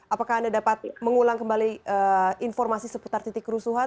apakah anda dapat mengulang kembali informasi seputar titik kerusuhan